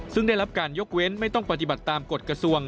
ซึ่งได้รับการยกเว้นไม่ต้องปฏิบัติตามกฎกระทรวง